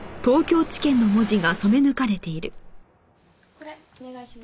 これお願いします。